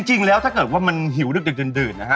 จริงแล้วถ้าเกิดว่ามันหิวดึกดื่นนะฮะ